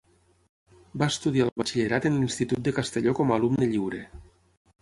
Va estudiar el batxillerat en l'Institut de Castelló com a alumne lliure.